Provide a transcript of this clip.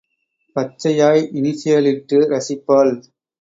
பச்சையாய் இனிஷியலிட்டு ரசிப்பாள்.